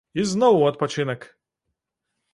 І зноў у адпачынак!